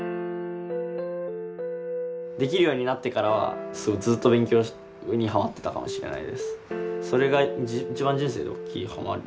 できるようになってからはすごいずっと勉強にハマってたかもしれないです。